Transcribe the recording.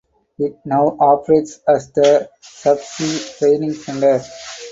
It now operates as the Subsea Training Centre.